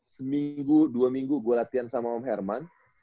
seminggu dua minggu gue latihan sama om herman